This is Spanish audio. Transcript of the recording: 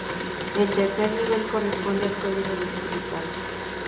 El tercer nivel corresponde al código distrital.